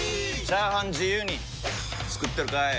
チャーハン自由に作ってるかい！？